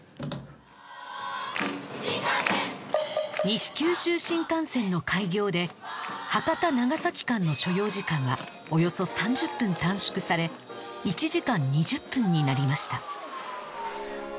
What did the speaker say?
西九州新幹線の開業で博多長崎間の所要時間はおよそ３０分短縮され１時間２０分になりました